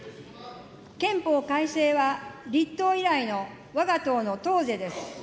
憲法改正は、立党以来のわが党の党是です。